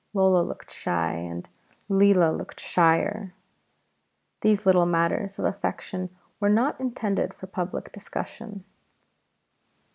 Lola looked shy, and Leela looked shyer. These little matters of affection were not intended for public discussion.